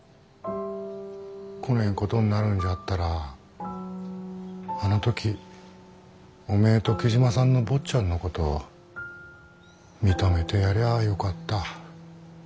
こねんことになるんじゃったらあの時おめえと雉真さんの坊ちゃんのこと認めてやりゃあよかった。